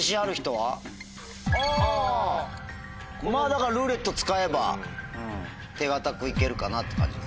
だから「ルーレット」使えば手堅く行けるかなって感じです。